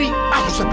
dia selalu mencari